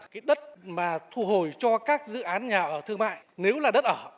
cái đất mà thu hồi cho các dự án nhà ở thương mại nếu là đất ở